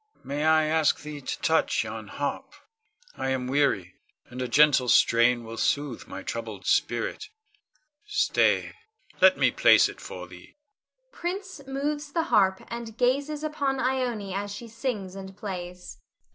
May I ask thee to touch yon harp? I am weary, and a gentle strain will sooth my troubled spirit. Stay! let me place it for thee. [Prince moves the harp and gazes upon Ione _as she sings and plays.